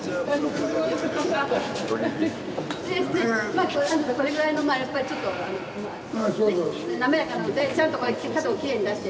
まあこれぐらいのやっぱりちょっと滑らかなのでちゃんと角をきれいに出して。